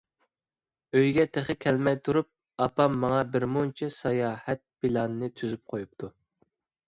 ئۆيگە تېخى كەلمەي تۇرۇپ، ئاپام ماڭا بىر مۇنچە ساياھەت پىلانىنى تۈزۈپ قويۇپتۇ.